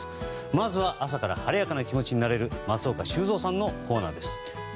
まずは朝から晴れやかな気持ちになれる松岡修造さんのコーナーです。